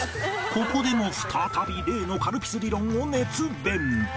ここでも再び例のカルピス理論を熱弁。